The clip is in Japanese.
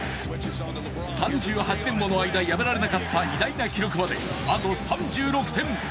３８年もの間、破られなかった偉大な記録まで、あと３６点。